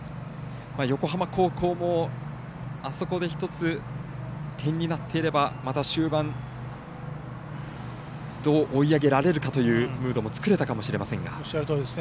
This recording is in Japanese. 横浜高校も、あそこで一つ点になっていればまた終盤追い上げられるかというムードも作れたかと思うんですが。